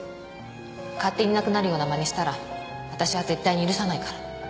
勝手にいなくなるようなまねしたら私は絶対に許さないから。